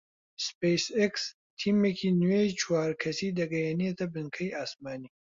سپەیس ئێکس تیمێکی نوێی چوار کەسی دەگەیەنێتە بنکەی ئاسمانی